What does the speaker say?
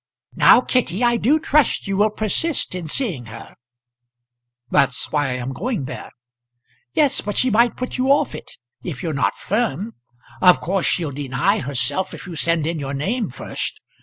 "Now, Kitty, I do trust you will persist in seeing her." "That's why I'm going there." "Yes; but she might put you off it, if you're not firm. Of course she'll deny herself if you send in your name first.